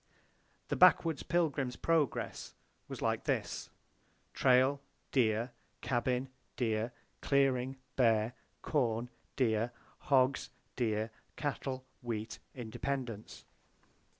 The backwoods Pilgrim's progress was like this: Trail, deer; cabin, deer; clearing; bear, corn, deer; hogs, deer; cattle, wheat, independence.